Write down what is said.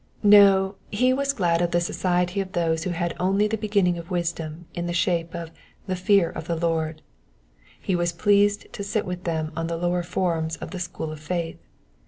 No, he was glad of the society of those who had only the beginning of wisdom in the shape of the fear of the Lord ": he was pleased to sit with them on the lower forms of the school of faith.